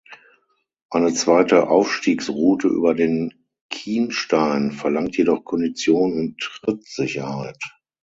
Eine zweite Aufstiegsroute über den Kienstein verlangt jedoch Kondition und Trittsicherheit.